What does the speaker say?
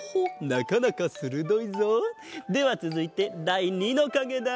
なかなかするどいぞ！ではつづいてだい２のかげだ。